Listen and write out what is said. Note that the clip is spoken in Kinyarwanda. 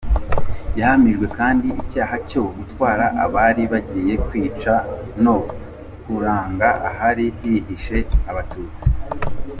Yahamijwe kandi icyaha cyo gutwara abari bagiye kwica, no kuranga ahari hihishe Abatutsi.